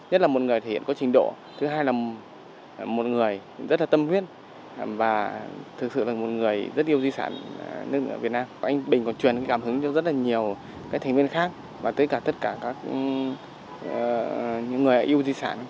nhất là một người thể hiện có trình độ thứ hai là một người rất là tâm huyết và thực sự là một người rất yêu di sản